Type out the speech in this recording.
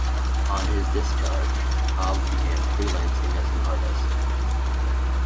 On his discharge, Cobb began freelancing as an artist.